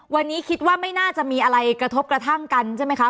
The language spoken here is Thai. วันนี้คิดว่าไม่น่าจะมีอะไรกระทบกระทั่งกันใช่ไหมคะ